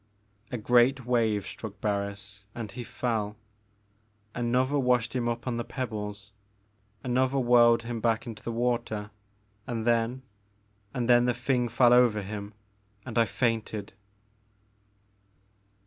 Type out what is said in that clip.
A great wave struck Barris and he fell, another washed him up on the pebbles, another whirled him back into the water and then, — ^and then the thing fell over him, — and I fainted.